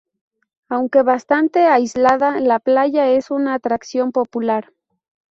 Aunque bastante aislada, la playa es una atracción popular.